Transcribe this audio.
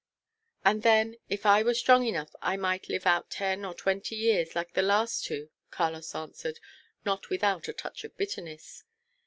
"And then, if I were strong enough, I might live out ten or twenty years like the last two," Carlos answered, not without a touch of bitterness.